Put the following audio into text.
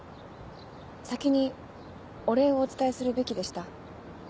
先にお礼をお伝えするべきでした。